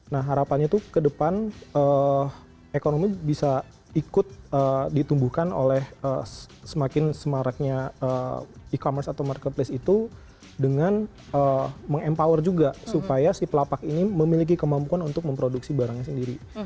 nah harapannya tuh ke depan ekonomi bisa ikut ditumbuhkan oleh semakin semaraknya e commerce atau marketplace itu dengan meng empower juga supaya si pelapak ini memiliki kemampuan untuk memproduksi barangnya sendiri